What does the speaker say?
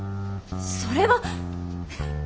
それは。